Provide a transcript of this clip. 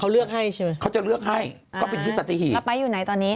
เขาเลือกให้ใช่ไหมเขาจะเลือกให้ก็เป็นที่สัตหีบแล้วไปอยู่ไหนตอนนี้